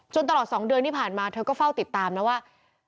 ตลอด๒เดือนที่ผ่านมาเธอก็เฝ้าติดตามนะว่า